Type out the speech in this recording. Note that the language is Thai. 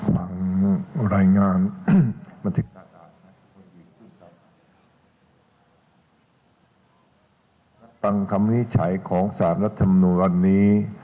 ต่างคำนิจฉัยของสารธรรมนวณนี้